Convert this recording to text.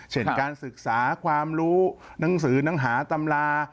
การศึกษาความรู้หนังสือหนังหาตำรา